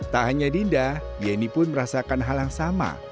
tak hanya dinda yeni pun merasakan hal yang sama